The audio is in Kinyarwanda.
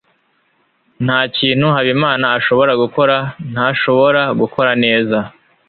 ntakintu habimana ashobora gukora ntashobora gukora neza